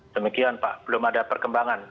demikian pak belum ada perkembangan